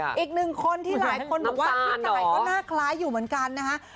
อีกหนึ่งคนที่หลายคนบอกว่าพี่ตายก็น่าคล้ายอยู่เหมือนกันนะฮะ